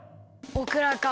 オクラか。